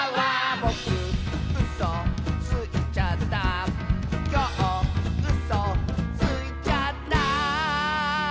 「ぼくうそついちゃった」「きょううそついちゃった」